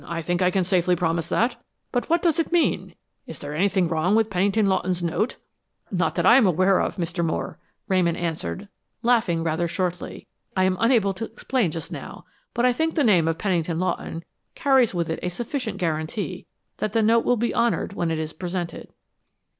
I think I can safely promise that. But what does it mean is there anything wrong with Pennington Lawton's note?" "Not that I am aware of, Mr. Moore," Ramon answered, laughing rather shortly. "I am unable to explain just now, but I think the name of Pennington Lawton carries with it a sufficient guarantee that the note will be honored when it is presented."